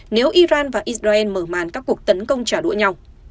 nếu iran và israel mở màn các cuộc tấn công trả đũa nhau